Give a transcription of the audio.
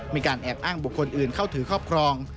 มีการแอบอ้างบุคคลอื่นเข้าถือครอบครอง